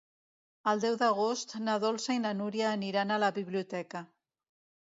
El deu d'agost na Dolça i na Núria aniran a la biblioteca.